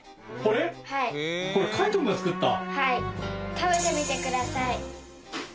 食べてみてください。